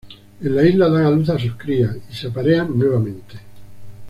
En la isla dan a luz a sus crías y se aparean nuevamente.